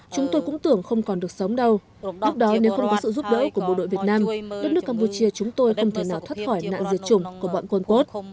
chúng tôi cũng tưởng không còn được sống đâu lúc đó nếu không có sự giúp đỡ của bộ đội việt nam đất nước campuchia chúng tôi không thể nào thoát khỏi nạn diệt chủng của bọn quân pốt